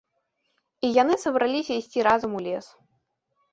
І яны сабраліся ісці разам у лес